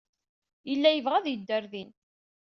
Yella yebɣa ad yeddu ɣer din.